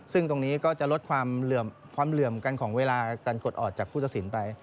ซึ่งตรงนี้ก็จะลดความเหลื่อมกันของเวลาการกดออกจากผู้ตัดสินไป